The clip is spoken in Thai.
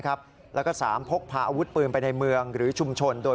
แล้วก็๓พกพาอาวุธปืนไปในเมืองหรือชุมชนโดย